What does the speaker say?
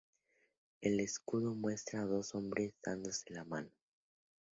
El escudo muestra a dos hombres dándose la mano.